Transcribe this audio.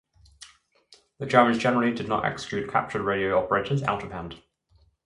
The Germans generally did not execute captured radio operators out of hand.